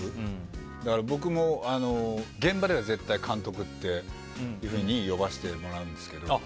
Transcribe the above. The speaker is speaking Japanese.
だから僕も現場では絶対監督っていうふうに呼ばせてもらうんですけど。